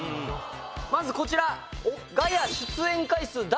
まずこちら。